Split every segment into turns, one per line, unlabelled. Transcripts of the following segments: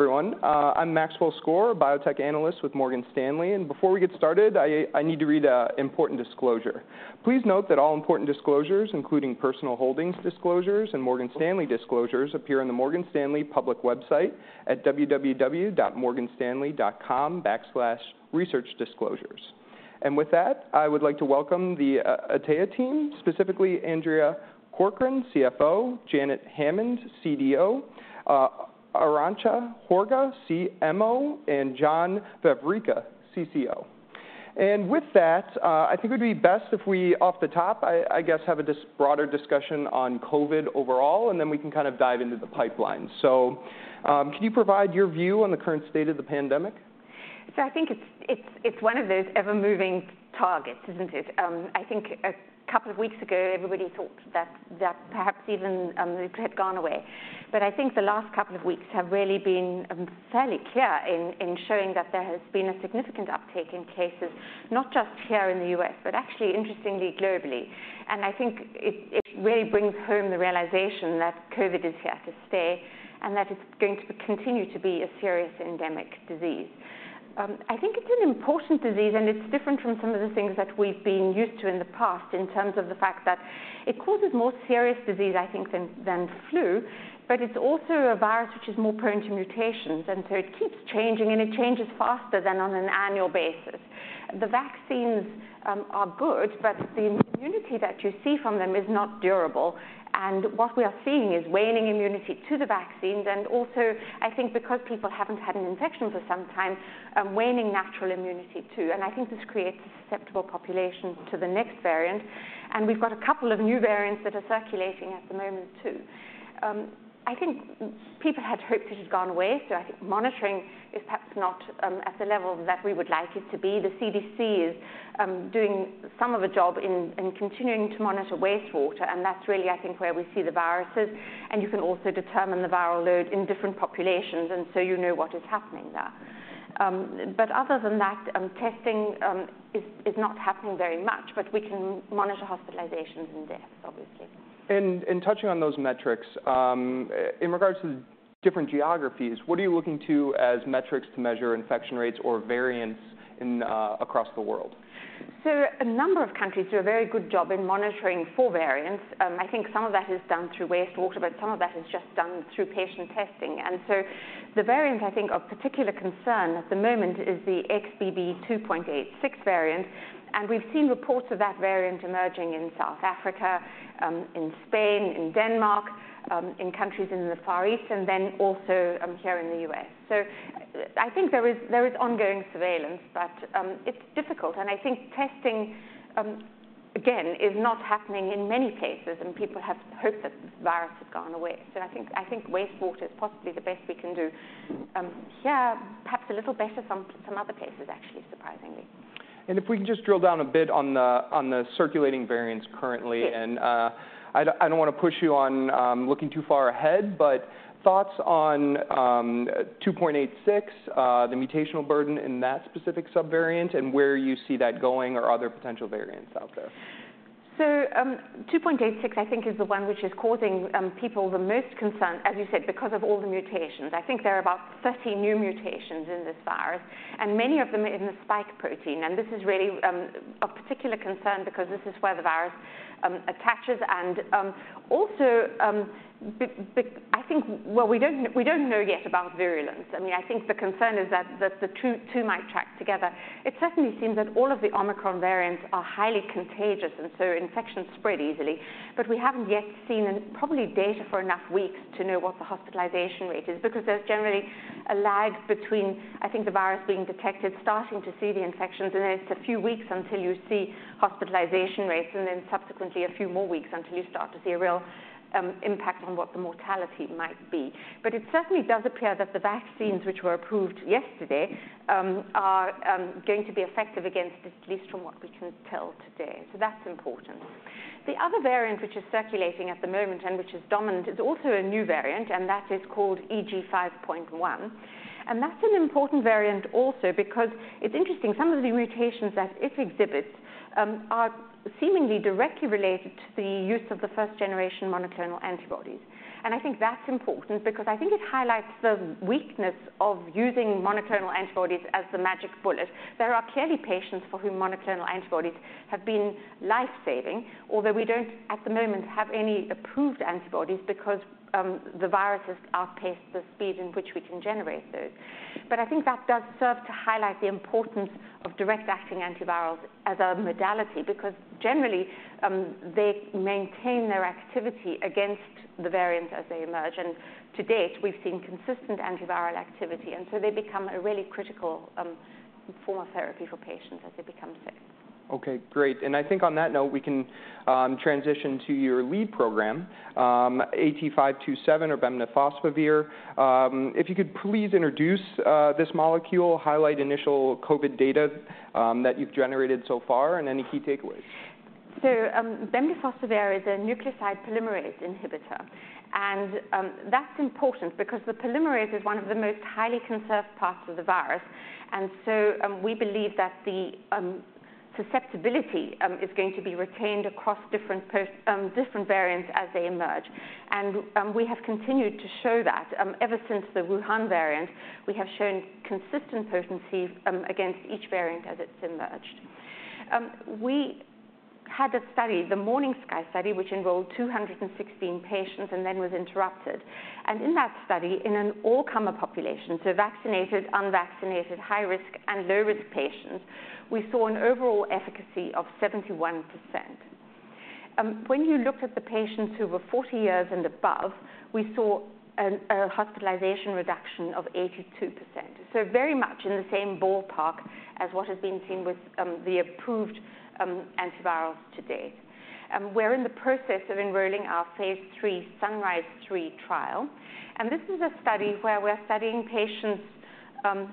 Hello, everyone. I'm Maxwell Skor, biotech analyst with Morgan Stanley, and before we get started, I need to read an important disclosure. Please note that all important disclosures, including personal holdings disclosures and Morgan Stanley disclosures, appear in the Morgan Stanley public website at www.morganstanley.com/researchdisclosures. With that, I would like to welcome the Atea team, specifically Andrea Corcoran, CFO, Janet Hammond, CDO, Arantxa Horga, CMO, and John Vavricka, CCO. With that, I think it would be best if we, off the top, I guess, have a broader discussion on COVID overall, and then we can kind of dive into the pipeline. Can you provide your view on the current state of the pandemic?
So I think it's one of those ever-moving targets, isn't it? I think a couple of weeks ago, everybody thought that perhaps even it had gone away. But I think the last couple of weeks have really been fairly clear in showing that there has been a significant uptick in cases, not just here in the U.S., but actually interestingly, globally. And I think it really brings home the realization that COVID is here to stay, and that it's going to continue to be a serious endemic disease. I think it's an important disease, and it's different from some of the things that we've been used to in the past in terms of the fact that it causes more serious disease, I think, than flu, but it's also a virus which is more prone to mutations, and so it keeps changing, and it changes faster than on an annual basis. The vaccines are good, but the immunity that you see from them is not durable, and what we are seeing is waning immunity to the vaccines, and also, I think because people haven't had an infection for some time, waning natural immunity, too. I think this creates a susceptible population to the next variant, and we've got a couple of new variants that are circulating at the moment, too. I think people had hoped it had gone away, so I think monitoring is perhaps not at the level that we would like it to be. The CDC is doing some of the job in continuing to monitor wastewater, and that's really, I think, where we see the viruses, and you can also determine the viral load in different populations, and so you know what is happening there. But other than that, testing is not happening very much, but we can monitor hospitalizations and deaths, obviously.
Touching on those metrics, in regards to different geographies, what are you looking to as metrics to measure infection rates or variants in across the world?
So a number of countries do a very good job in monitoring for variants. I think some of that is done through wastewater, but some of that is just done through patient testing. And so the variant, I think, of particular concern at the moment is the XBB 2.86 variant, and we've seen reports of that variant emerging in South Africa, in Spain, in Denmark, in countries in the Far East, and then also, here in the U.S. So I think there is, there is ongoing surveillance, but, it's difficult, and I think testing, again, is not happening in many cases, and people had hoped that the virus had gone away. So I think, I think wastewater is possibly the best we can do. Here, perhaps a little better than some other places, actually, surprisingly.
If we can just drill down a bit on the circulating variants currently.
Yes.
I don't want to push you on looking too far ahead, but thoughts on 2.86, the mutational burden in that specific subvariant and where you see that going or other potential variants out there?
So, 2.86, I think, is the one which is causing people the most concern, as you said, because of all the mutations. I think there are about 30 new mutations in this virus, and many of them are in the spike protein. And this is really of particular concern because this is where the virus attaches. And also, I think, well we don't know yet about virulence. I mean, I think the concern is that the two might track together. It certainly seems that all of the Omicron variants are highly contagious, and so infections spread easily. But we haven't yet seen and probably data for enough weeks to know what the hospitalization rate is, because there's generally a lag between, I think, the virus being detected, starting to see the infections, and then it's a few weeks until you see hospitalization rates, and then subsequently a few more weeks until you start to see a real impact on what the mortality might be. But it certainly does appear that the vaccines which were approved yesterday are going to be effective against this, at least from what we can tell today. So that's important. The other variant, which is circulating at the moment and which is dominant, is also a new variant, and that is called EG.5.1. That's an important variant also because it's interesting, some of the mutations that it exhibits are seemingly directly related to the use of the first-generation monoclonal antibodies. I think that's important because I think it highlights the weakness of using monoclonal antibodies as the magic bullet. There are clearly patients for whom monoclonal antibodies have been life-saving, although we don't, at the moment, have any approved antibodies because the viruses outpace the speed in which we can generate those. I think that does serve to highlight the importance of direct-acting antivirals as a modality, because generally they maintain their activity against the variants as they emerge, and to date, we've seen consistent antiviral activity, and so they become a really critical form of therapy for patients as they become sick.
Okay, great. I think on that note, we can transition to your lead program, AT-527 or bemnifosbuvir. If you could please introduce this molecule, highlight initial COVID data that you've generated so far, and any key takeaways.
So, bemnifosbuvir is a nucleoside polymerase inhibitor, and that's important because the polymerase is one of the most highly conserved parts of the virus. We believe that susceptibility is going to be retained across different variants as they emerge. We have continued to show that, ever since the Wuhan variant, we have shown consistent potency against each variant as it's emerged. We had a study, the Morning Sky study, which involved 216 patients and then was interrupted. And in that study, in an all-comer population, so vaccinated, unvaccinated, high-risk, and low-risk patients, we saw an overall efficacy of 71%. When you looked at the patients who were 40 years and above, we saw a hospitalization reduction of 82%. So very much in the same ballpark as what has been seen with the approved antivirals today. We're in the process of enrolling our phase III SUNRISE-3 trial, and this is a study where we're studying patients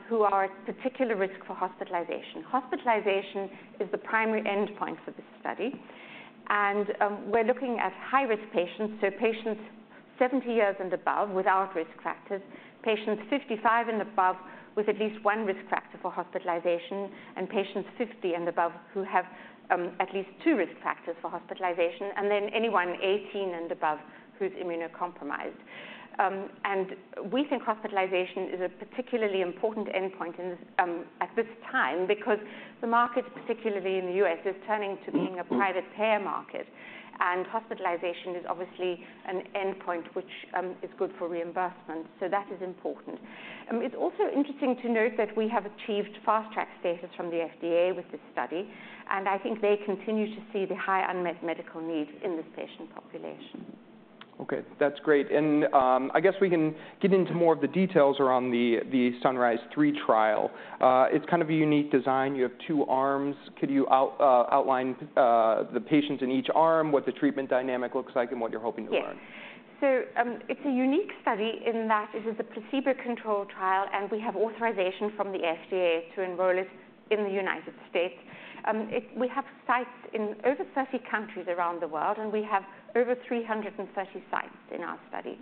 who are at particular risk for hospitalization. Hospitalization is the primary endpoint for this study, and we're looking at high-risk patients, so patients 70 years and above without risk factors, patients 55 and above with at least one risk factor for hospitalization, and patients 50 and above who have at least two risk factors for hospitalization, and then anyone 18 and above who's immunocompromised. We think hospitalization is a particularly important endpoint in this, at this time, because the market, particularly in the U.S., is turning to being a private payer market, and hospitalization is obviously an endpoint which is good for reimbursement. That is important. It's also interesting to note that we have achieved fast track status from the FDA with this study, and I think they continue to see the high unmet medical needs in this patient population.
Okay, that's great. I guess we can get into more of the details around the SUNRISE-3 trial. It's kind of a unique design. You have two arms. Could you outline the patients in each arm, what the treatment dynamic looks like, and what you're hoping to learn?
Yes. So, it's a unique study in that it is a placebo-controlled trial, and we have authorization from the FDA to enroll it in the United States. We have sites in over 30 countries around the world, and we have over 330 sites in our study.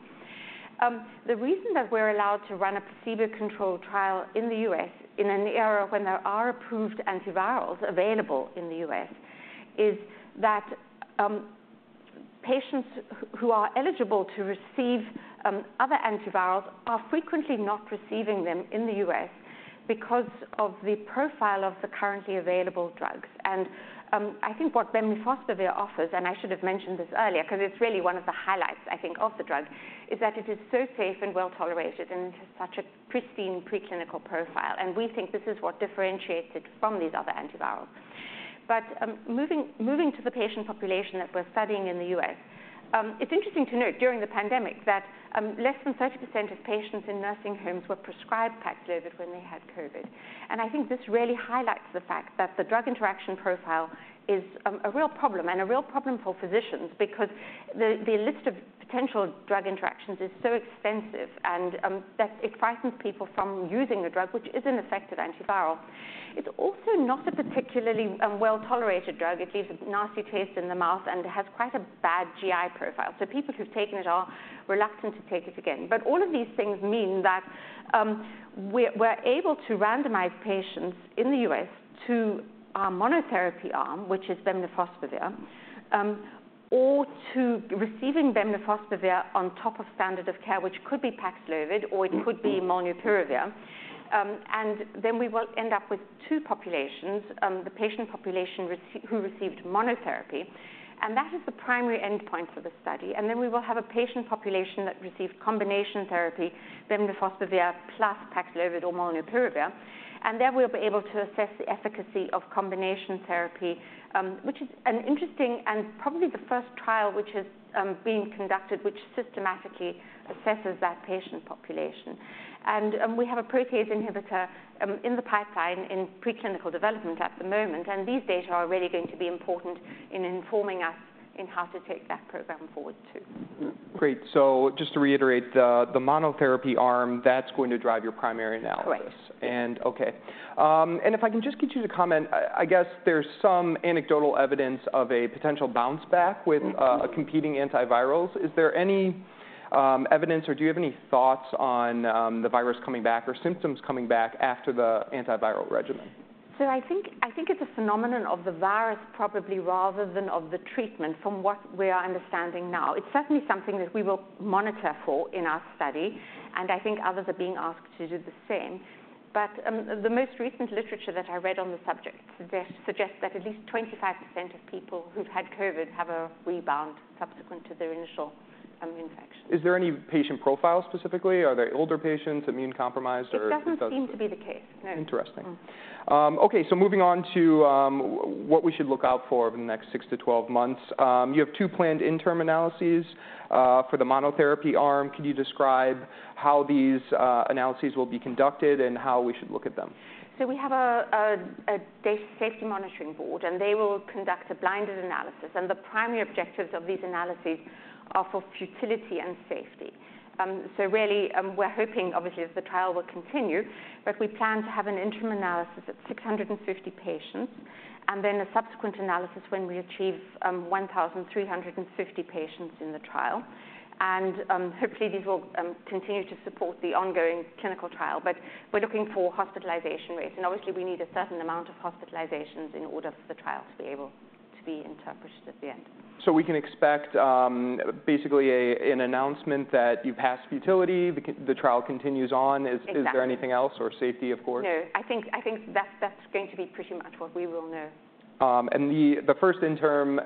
The reason that we're allowed to run a placebo-controlled trial in the U.S. in an era when there are approved antivirals available in the U.S. is that patients who are eligible to receive other antivirals are frequently not receiving them in the U.S. because of the profile of the currently available drugs. And I think what bemnifosbuvir offers, and I should have mentioned this earlier, 'cause it's really one of the highlights, I think, of the drug, is that it is so safe and well-tolerated, and it has such a pristine preclinical profile. We think this is what differentiates it from these other antivirals. Moving to the patient population that we're studying in the U.S., it's interesting to note during the pandemic that less than 30% of patients in nursing homes were prescribed Paxlovid when they had COVID. I think this really highlights the fact that the drug interaction profile is a real problem, and a real problem for physicians, because the list of potential drug interactions is so extensive and that it frightens people from using the drug, which is an effective antiviral. It's also not a particularly well-tolerated drug. It leaves a nasty taste in the mouth and has quite a bad GI profile, so people who've taken it are reluctant to take it again. But all of these things mean that, we're able to randomize patients in the U.S. to our monotherapy arm, which is bemnifosbuvir, or to receiving bemnifosbuvir on top of standard of care, which could be Paxlovid, or it could be molnupiravir. And then we will end up with two populations, the patient population who received monotherapy, and that is the primary endpoint for the study. And then we will have a patient population that received combination therapy, bemnifosbuvir plus Paxlovid or molnupiravir. And then we'll be able to assess the efficacy of combination therapy, which is an interesting and probably the first trial which is being conducted, which systematically assesses that patient population. We have a protease inhibitor in the pipeline in preclinical development at the moment, and these data are really going to be important in informing us in how to take that program forward, too.
Great. So just to reiterate, the monotherapy arm, that's going to drive your primary analysis?
Correct.
And, okay. And if I can just get you to comment, I guess there's some anecdotal evidence of a potential bounce back with.
Mm-hmm.
Competing antivirals. Is there any evidence, or do you have any thoughts on the virus coming back or symptoms coming back after the antiviral regimen?
So I think it's a phenomenon of the virus, probably, rather than of the treatment, from what we are understanding now. It's certainly something that we will monitor for in our study, and I think others are being asked to do the same. But, the most recent literature that I read on the subject suggests that at least 25% of people who've had COVID have a rebound subsequent to their initial infection.
Is there any patient profile specifically? Are they older patients, immune-compromised, or because.
It doesn't seem to be the case, no.
Interesting. Okay, so moving on to what we should look out for over the next six-12 months. You have two planned interim analyses for the monotherapy arm. Can you describe how these analyses will be conducted and how we should look at them?
So we have a data safety monitoring board, and they will conduct a blinded analysis, and the primary objectives of these analyses are for futility and safety. So really, we're hoping, obviously, that the trial will continue, but we plan to have an interim analysis at 650 patients, and then a subsequent analysis when we achieve 1,350 patients in the trial. Hopefully, these will continue to support the ongoing clinical trial. But we're looking for hospitalization rates, and obviously, we need a certain amount of hospitalizations in order for the trial to be able to be interpreted at the end.
So we can expect basically an announcement that you've passed futility. The trial continues on.
Exactly.
Is there anything else or safety, of course?
No, I think that's going to be pretty much what we will know.
The first interim,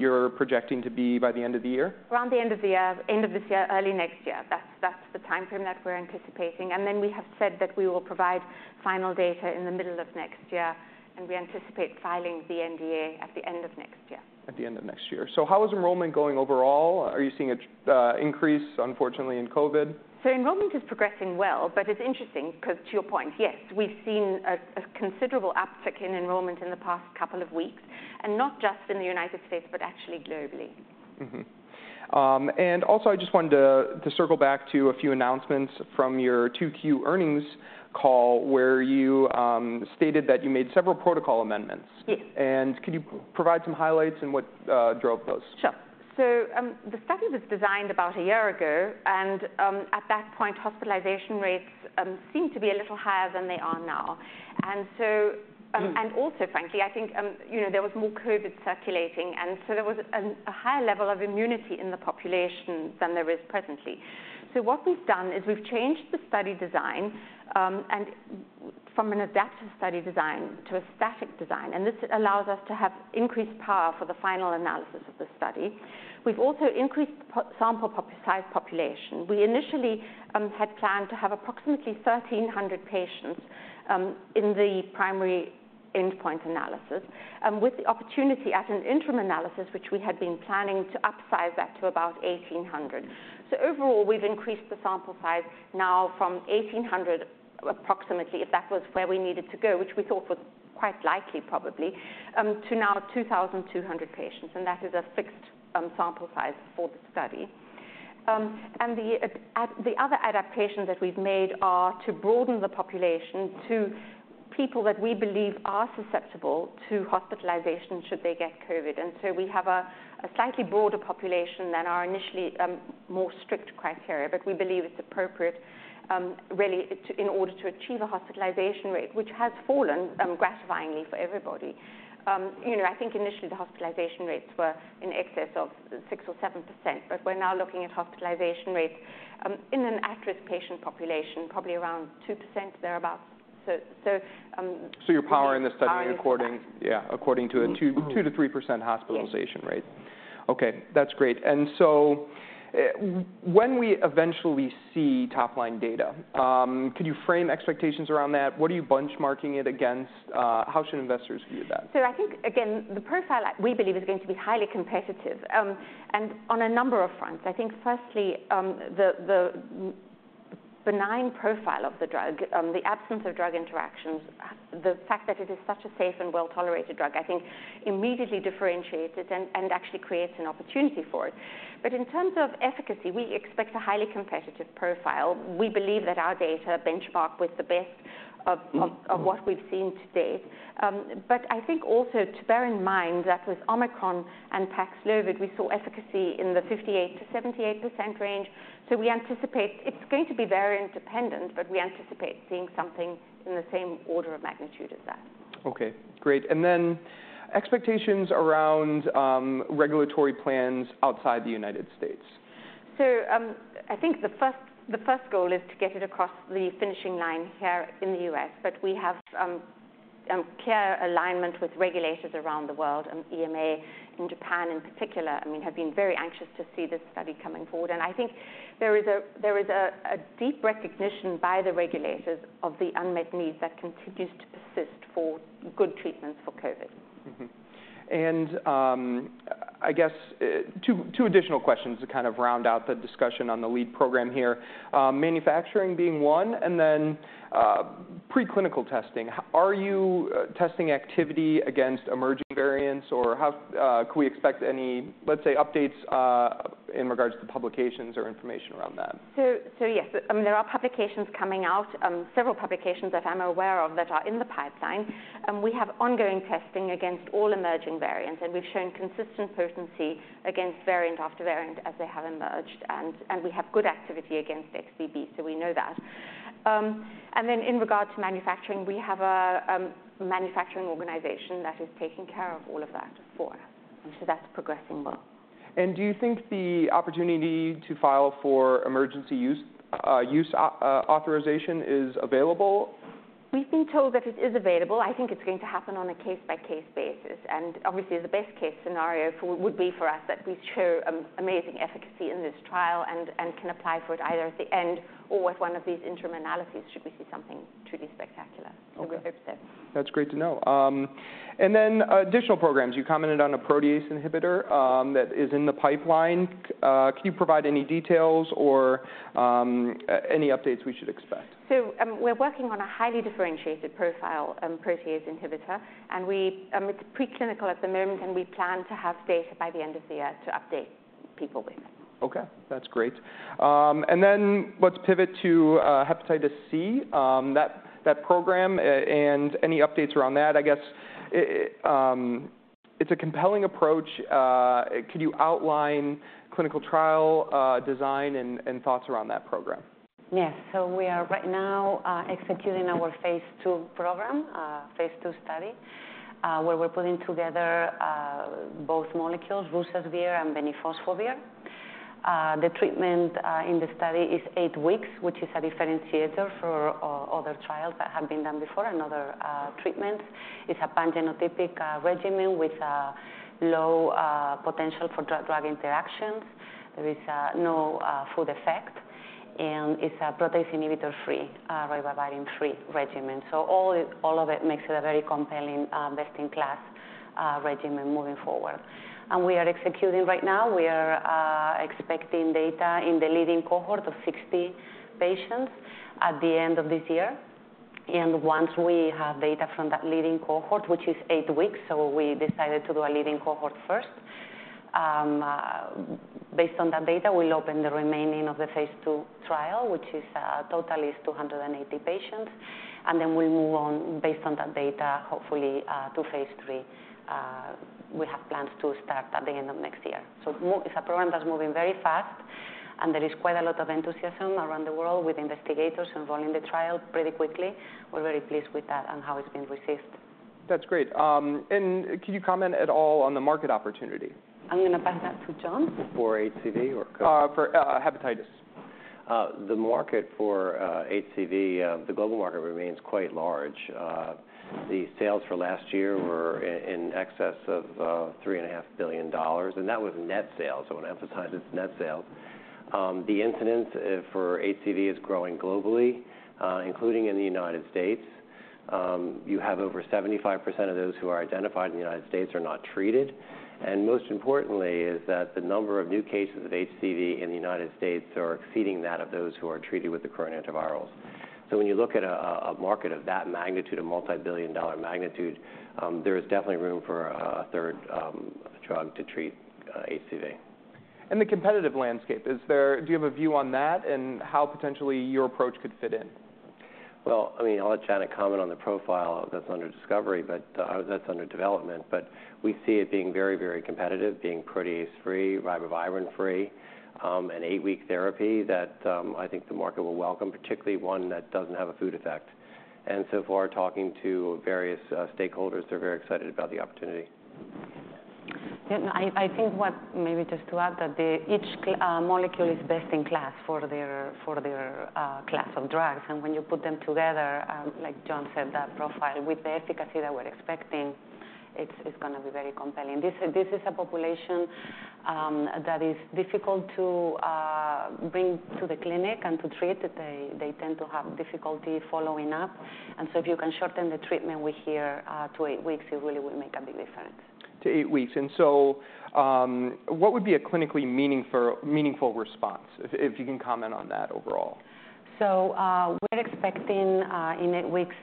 you're projecting to be by the end of the year?
Around the end of the year, end of this year, early next year. That's, that's the timeframe that we're anticipating. And then we have said that we will provide final data in the middle of next year, and we anticipate filing the NDA at the end of next year.
At the end of next year. So how is enrollment going overall? Are you seeing a increase, unfortunately, in COVID?
So enrollment is progressing well, but it's interesting because to your point, yes, we've seen a considerable uptick in enrollment in the past couple of weeks, and not just in the United States, but actually globally.
And also, I just wanted to circle back to a few announcements from your 2Q earnings call, where you stated that you made several protocol amendments.
Yes.
Could you provide some highlights on what drove those?
Sure. So, the study was designed about a year ago, and, at that point, hospitalization rates seemed to be a little higher than they are now. And so, and also frankly, I think, you know, there was more COVID circulating, and so there was a higher level of immunity in the population than there is presently. So what we've done is we've changed the study design, and from an adaptive study design to a static design, and this allows us to have increased power for the final analysis of the study. We've also increased patient sample population size. We initially had planned to have approximately 1,300 patients in the primary endpoint analysis, with the opportunity at an interim analysis, which we had been planning to upsize that to about 1,800. So overall, we've increased the sample size now from 1,800, approximately, if that was where we needed to go, which we thought was quite likely, probably, to now 2,200 patients, and that is a fixed, sample size for the study. The other adaptations that we've made are to broaden the population to people that we believe are susceptible to hospitalization should they get COVID. And so we have a slightly broader population than our initially, more strict criteria, but we believe it's appropriate, really, in order to achieve a hospitalization rate, which has fallen, gratifyingly for everybody. You know, I think initially the hospitalization rates were in excess of 6% or 7%, but we're now looking at hospitalization rates, in an at-risk patient population, probably around 2%, thereabout. So, we.
So you're powering the study according. Yeah, according to a 2%-3% hospitalization rate.
Yes
Okay, that's great. And so, when we eventually see top-line data, could you frame expectations around that? What are you benchmarking it against? How should investors view that?
So I think, again, the profile we believe is going to be highly competitive, and on a number of fronts. I think firstly, the benign profile of the drug, the absence of drug interactions, the fact that it is such a safe and well-tolerated drug, I think immediately differentiates it and actually creates an opportunity for it. But in terms of efficacy, we expect a highly competitive profile. We believe that our data benchmark with the best of what we've seen to date. But I think also to bear in mind that with Omicron and Paxlovid, we saw efficacy in the 58%-78% range. So we anticipate it's going to be very independent, but we anticipate seeing something in the same order of magnitude as that.
Okay, great. And then expectations around regulatory plans outside the United States.
So, I think the first goal is to get it across the finishing line here in the U.S., but we have clear alignment with regulators around the world, and EMA in Japan in particular, I mean, have been very anxious to see this study coming forward. And I think there is a deep recognition by the regulators of the unmet needs that continues to persist for good treatments for COVID.
I guess two additional questions to kind of round out the discussion on the lead program here. Manufacturing being one, and then preclinical testing. Are you testing activity against emerging variants, or how can we expect any, let's say, updates in regards to publications or information around that?
So, yes, I mean, there are publications coming out, several publications that I'm aware of that are in the pipeline, and we have ongoing testing against all emerging variants. And we've shown consistent potency against variant after variant as they have emerged, and we have good activity against XBB, so we know that. And then in regards to manufacturing, we have a manufacturing organization that is taking care of all of that for us, and so that's progressing well.
Do you think the opportunity to file for Emergency Use Authorization is available?
We've been told that it is available. I think it's going to happen on a case-by-case basis, and obviously, the best-case scenario for us would be that we show amazing efficacy in this trial and can apply for it either at the end or with one of these interim analyses, should we see something truly spectacular.
Okay.
So we're good with that.
That's great to know. Then additional programs. You commented on a protease inhibitor that is in the pipeline. Can you provide any details or any updates we should expect?
We're working on a highly differentiated profile, protease inhibitor. It's preclinical at the moment, and we plan to have data by the end of the year to update people with.
Okay, that's great. And then let's pivot to hepatitis C, that program, and any updates around that. I guess, it's a compelling approach. Could you outline clinical trial design and thoughts around that program?
Yes. So we are right now executing our phase II program, phase II study, where we're putting together both molecules, ruzasvir and bemnifosbuvir. The treatment in the study is eight weeks, which is a differentiator for other trials that have been done before and other treatments. It's a pangenotypic regimen with a low potential for drug interactions. There is no food effect, and it's a protease inhibitor-free ribavirin-free regimen. So all all of it makes it a very compelling best-in-class regimen moving forward. And we are executing right now. We are expecting data in the lead-in cohort of 60 patients at the end of this year. And once we have data from that lead-in cohort, which is eight weeks, so we decided to do a lead-in cohort first. Based on that data, we'll open the remaining of the phase II trial, which is, total is 280 patients, and then we'll move on, based on that data, hopefully, to phase III. We have plans to start at the end of next year. It's a program that's moving very fast, and there is quite a lot of enthusiasm around the world with investigators enrolling the trial pretty quickly. We're very pleased with that and how it's been received.
That's great. Can you comment at all on the market opportunity?
I'm gonna pass that to John.
For HCV or?
For hepatitis.
The market for HCV, the global market remains quite large. The sales for last year were in excess of $3.5 billion, and that was net sales, I want to emphasize it's net sales. The incidence for HCV is growing globally, including in the United States. You have over 75% of those who are identified in the United States are not treated, and most importantly is that the number of new cases of HCV in the United States are exceeding that of those who are treated with the current antivirals. So when you look at a market of that magnitude, a multibillion-dollar magnitude, there is definitely room for a third drug to treat HCV.
The competitive landscape, is there? Do you have a view on that and how potentially your approach could fit in?
Well, I mean, I'll let Janet comment on the profile that's under discovery, but that's under development. But we see it being very, very competitive, being protease free, ribavirin free, an eight-week therapy that I think the market will welcome, particularly one that doesn't have a food effect. And so far, talking to various stakeholders, they're very excited about the opportunity.
Yeah, I think what maybe just to add, that each molecule is best in class for their class of drugs. And when you put them together, like John said, that profile with the efficacy that we're expecting, it's gonna be very compelling. This is a population that is difficult to bring to the clinic and to treat. They tend to have difficulty following up, and so if you can shorten the treatment we're here to eight weeks, it really will make a big difference.
To eight-weeks. So, what would be a clinically meaningful response, if you can comment on that overall?
We're expecting in eight-weeks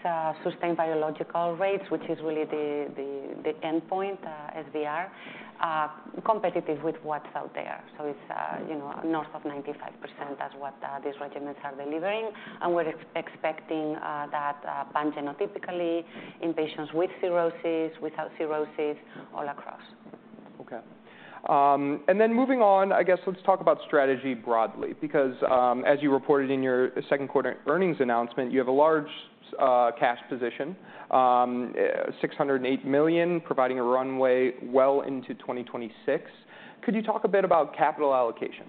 sustained virologic rates, which is really the endpoint, SVR, competitive with what's out there. So it's, you know, north of 95% is what these regimens are delivering, and we're expecting that pangenotypically in patients with cirrhosis, without cirrhosis, all across.
Okay. And then moving on, I guess let's talk about strategy broadly, because, as you reported in your second quarter earnings announcement, you have a large cash position, $608 million, providing a runway well into 2026. Could you talk a bit about capital allocation?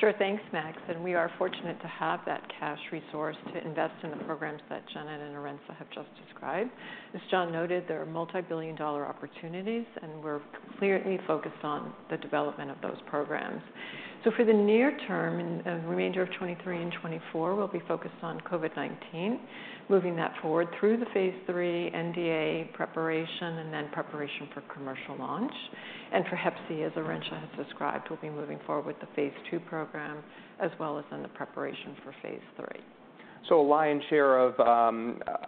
Sure. Thanks, Max, and we are fortunate to have that cash resource to invest in the programs that Janet and Arantxa have just described. As John noted, there are multibillion-dollar opportunities, and we're clearly focused on the development of those programs. For the near term, and the remainder of 2023 and 2024, we'll be focused on COVID-19, moving that forward through the phase III NDA preparation and then preparation for commercial launch. For hep C, as Arantxa has described, we'll be moving forward with the phase II program, as well as in the preparation for phase III.
A lion's share of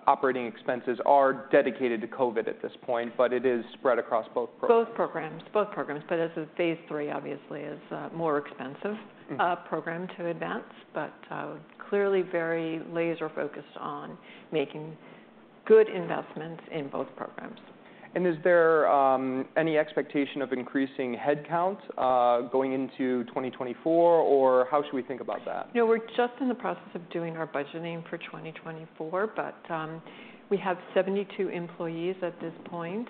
operating expenses are dedicated to COVID at this point, but it is spread across both programs?
Both programs, but as a phase III obviously is a more expensive program to advance, but clearly very laser focused on making good investments in both programs.
Is there any expectation of increasing head count going into 2024, or how should we think about that?
No, we're just in the process of doing our budgeting for 2024, but we have 72 employees at this point,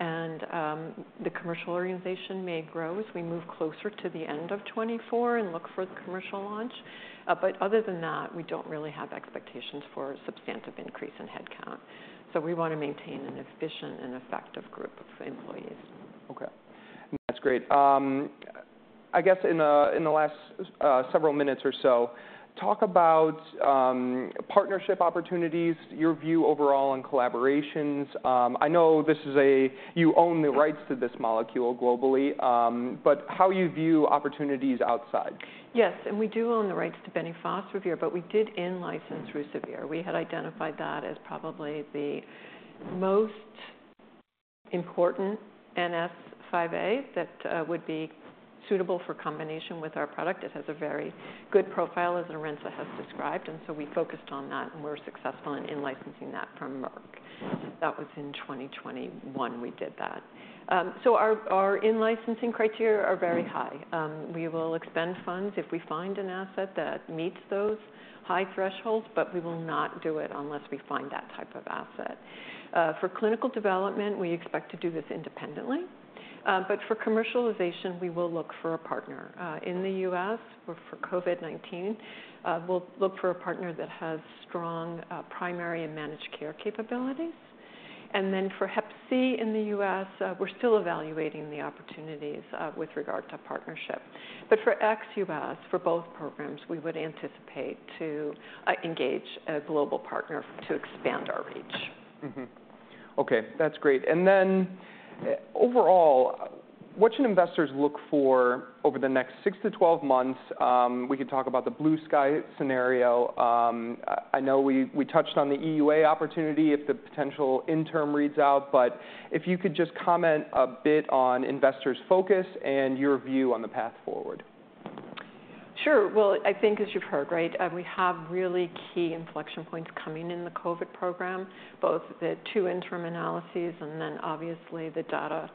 and the commercial organization may grow as we move closer to the end of 2024 and look for the commercial launch. But other than that, we don't really have expectations for a substantive increase in headcount, so we want to maintain an efficient and effective group of employees.
Okay, that's great. I guess in the last several minutes or so, talk about partnership opportunities, your view overall on collaborations. I know you own the rights to this molecule globally, but how you view opportunities outside?
Yes, and we do own the rights to bemnifosbuvir, but we did in-license ruzasvir. We had identified that as probably the most important NS5A that would be suitable for combination with our product. It has a very good profile, as Arantxa has described, and so we focused on that, and we're successful in in-licensing that from Merck. That was in 2021 we did that. So our in-licensing criteria are very high. We will expend funds if we find an asset that meets those high thresholds, but we will not do it unless we find that type of asset. For clinical development, we expect to do this independently. But for commercialization, we will look for a partner in the U.S., where for COVID-19, we'll look for a partner that has strong primary and managed care capabilities. And then for hep C in the U.S., we're still evaluating the opportunities, with regard to partnership. But for ex-U.S., for both programs, we would anticipate to, engage a global partner to expand our reach.
Okay, that's great. And then, overall, what should investors look for over the next six-12 months? We could talk about the blue sky scenario. I know we touched on the EUA opportunity if the potential interim reads out, but if you could just comment a bit on investors' focus and your view on the path forward.
Sure. Well, I think as you've heard, right, we have really key inflection points coming in the COVID program, both the two interim analyses and then obviously the data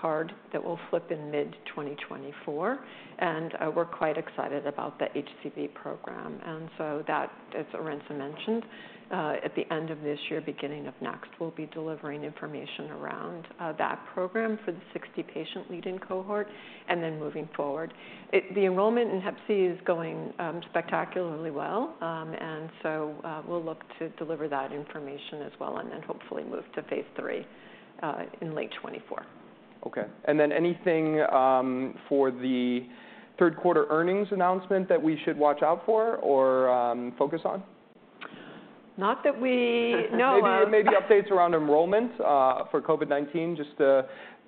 card that will flip in mid-2024. And we're quite excited about the HCV program, and so that, as Arantxa mentioned, at the end of this year, beginning of next, we'll be delivering information around that program for the 60-patient lead-in cohort, and then moving forward. The enrollment in hep C is going spectacularly well, and so we'll look to deliver that information as well, and then hopefully move to phase III in late 2024.
Okay. Then anything for the third quarter earnings announcement that we should watch out for or focus on?
Not that we know of.
Maybe, maybe updates around enrollment for COVID-19, just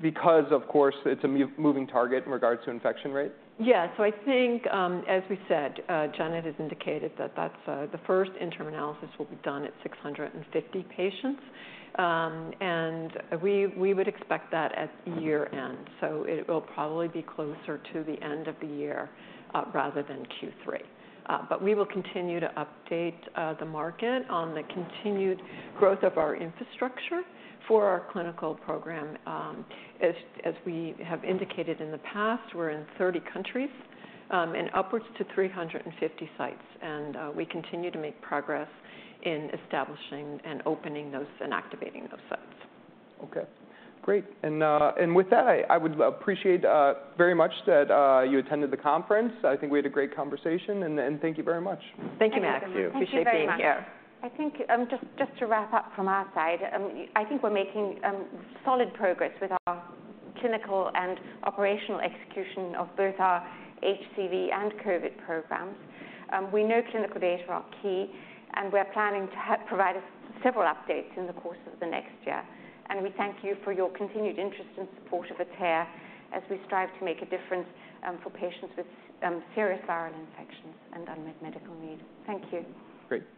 because of course, it's a moving target in regards to infection rates.
Yeah. So I think, as we said, Janet has indicated that that's the first interim analysis will be done at 650 patients. And we would expect that at year-end, so it will probably be closer to the end of the year, rather than Q3. But we will continue to update the market on the continued growth of our infrastructure for our clinical program. As we have indicated in the past, we're in 30 countries, and upwards to 350 sites, and we continue to make progress in establishing and opening those and activating those sites.
Okay, great. And with that, I would appreciate very much that you attended the conference. I think we had a great conversation, and thank you very much.
Thank you, Max.
Thank you.
Appreciate being here.
I think, just, just to wrap up from our side, I think we're making solid progress with our clinical and operational execution of both our HCV and COVID programs. We know clinical data are key, and we're planning to provide several updates in the course of the next year. And we thank you for your continued interest and support of Atea as we strive to make a difference, for patients with serious viral infections and unmet medical needs. Thank you.
Great. Thank you.